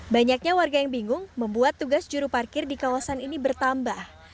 banyaknya warga yang bingung membuat tugas juru parkir di kawasan ini bertambah